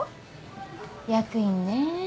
役員ねぇ。